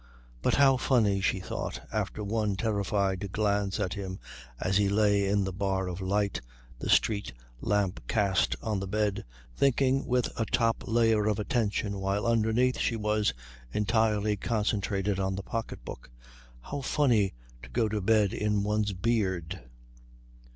"But how funny," she thought, after one terrified glance at him as he lay in the bar of light the street lamp cast on the bed, thinking with a top layer of attention while underneath she was entirely concentrated on the pocket book, "how funny to go to bed in one's beard!..."